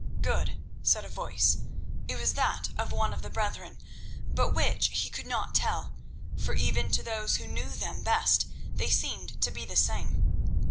"Good," said a voice—it was that of one of the brethren, but which he could not tell, for even to those who knew them best they seemed to be the same.